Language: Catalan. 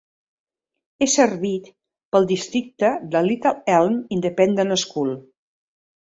És servit pel districte de Little Elm independent School.